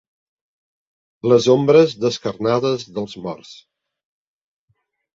Les ombres descarnades dels morts.